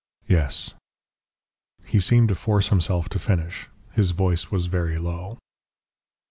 "Yes." He seemed to force himself to finish. His voice was very low.